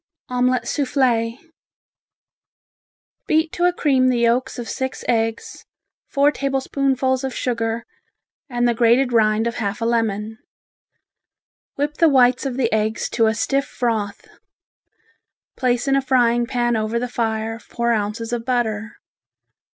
Omelette Souffle Beat to a cream the yolks of six eggs, four tablespoonfuls of sugar and the grated rind of half a lemon. Whip the whites of the eggs to a stiff froth. Place in a frying pan over the fire four ounces of butter.